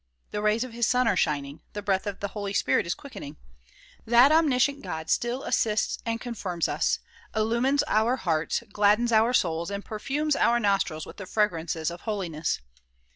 The rays of his sun are shining, the breath of the Holy Spirit is quickening. That omniscient God still assists and confirms us, DISCOURSES DELIVERED IN NEW YORK 157 illumines our hearts, gladdens our souls and perfumes our nostrils with the fragrances of holiness.